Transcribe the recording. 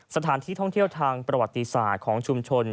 สถานที่ท่องเที่ยวทางประวัติศาสตร์ของชุมชน